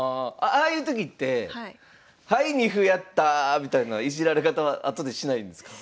ああいうときって「はい二歩やった」みたいないじられ方は後でしないんですか？